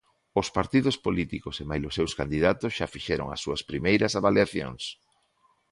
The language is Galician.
Os partidos políticos e mailos seus candidatos xa fixeron as súas primeiras avaliacións.